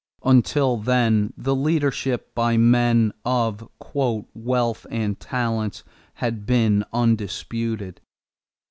Until then the leadership by men of "wealth and talents" had been undisputed.